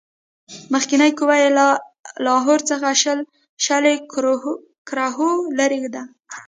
مخکنۍ قوه یې له لاهور څخه شل کروهه لیري ده.